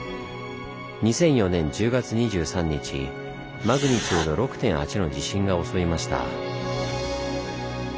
２００４年１０月２３日マグニチュード６．８の地震が襲いました。